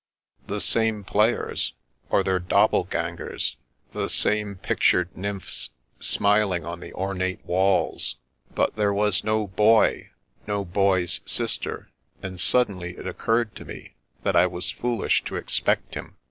The same players, or their doppelgangers ; the same i The Day of Suspense 357 pictured nymphs smiling on the ornate walls. But there was no Boy, no Boy's sister; and suddenly it occurred to me that I was foolish to expect him.